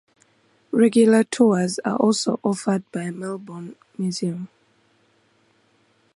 Regular tours are also offered by Melbourne Museum.